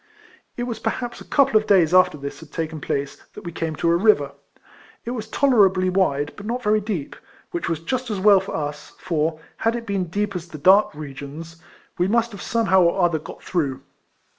' It was perhaps a couple of days after this had taken place that we came to a river. It was tolerably wide, but not very deep, which was just as well for us; for, had it been deep as the dark regions, we must have somehow or other got through.